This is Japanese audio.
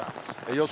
予想